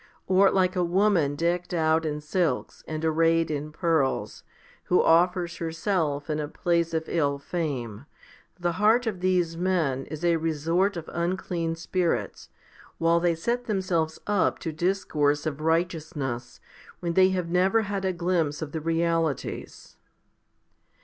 Or like a woman decked out in silks and arrayed in pearls, who offers herself in a place of ill fame, the heart of these men is a resort of unclean spirits, while they set themselves up to discourse 1 j Thess. v. 19. HOMILY XVII 147 of righteousness, when they have never had a glimpse of the realities.